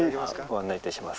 ご案内いたします。